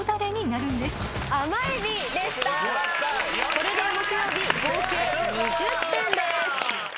これで木曜日合計２０点です。